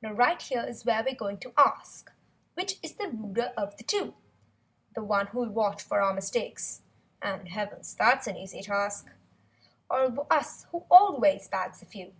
Now right here's where we're going to ask: Which is the ruder of the two, The one who'll watch for our mistakes (And heavens, that's an easy task) Or us, who always bags a few